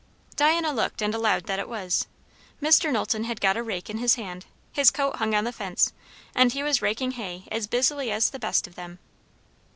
Diana looked and allowed that it was. Mr. Knowlton had got a rake in hand, his coat hung on the fence, and he was raking hay as busily as the best of them.